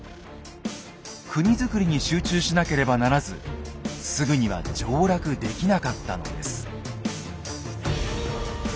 国づくりに集中しなければならずすぐには上洛できなかったのです。